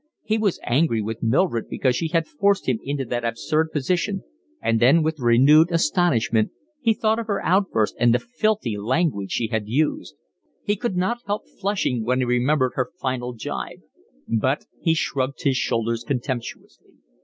He was angry with Mildred because she had forced him into that absurd position, and then with renewed astonishment he thought of her outburst and the filthy language she had used. He could not help flushing when he remembered her final jibe; but he shrugged his shoulders contemptuously.